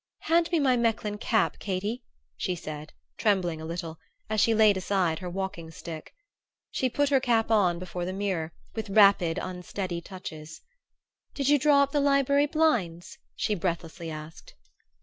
"Hand me my Mechlin cap, Katy," she said, trembling a little, as she laid aside her walking stick. She put her cap on before the mirror, with rapid unsteady touches. "Did you draw up the library blinds?" she breathlessly asked.